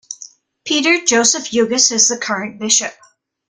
Peter Joseph Jugis is the current bishop.